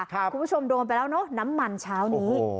คุณผู้ชมโดนไปแล้วเนอะน้ำมันเช้านี้